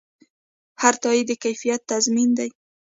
هر تایید د کیفیت تضمین دی.